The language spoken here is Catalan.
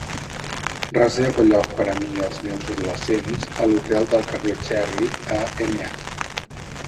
reserva lloc per mi i els meus adolescents a l'hotel del carrer Cherry a MH